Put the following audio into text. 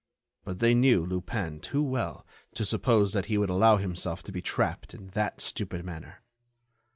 But they knew Lupin too well to suppose that he would allow himself to be trapped in that stupid manner.